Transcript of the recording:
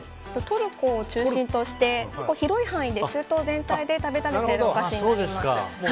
トルコを中心として広い範囲で中東全体で食べられているお菓子になります。